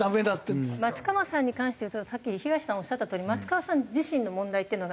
松川さんに関して言うとさっき東さんおっしゃったとおり松川さん自身の問題っていうのがあって。